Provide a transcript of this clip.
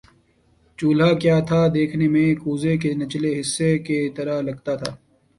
چولہا کیا تھا دیکھنے میں کوزے کے نچلے حصے کی طرح لگتا تھا